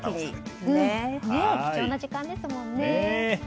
貴重な時間ですもんね。